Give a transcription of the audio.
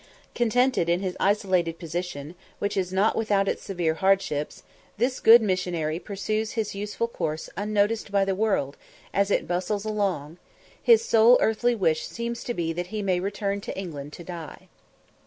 Contented in his isolated position, which is not without its severe hardships, this good missionary pursues his useful course unnoticed by the world as it bustles along; his sole earthly wish seems to be that he may return to England to die.